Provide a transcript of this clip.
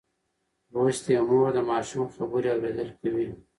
لوستې مور د ماشوم خبرې اورېدلي کوي.